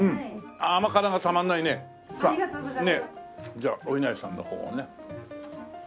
じゃあおいなりさんの方をね。